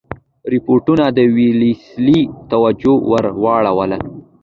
رپوټونو د ویلسلي توجه ور واړوله.